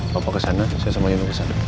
bapak ke sana saya sama yonung ke sana